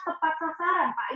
tepat keseran pak